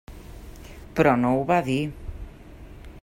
Però no ho va dir.